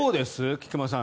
菊間さん。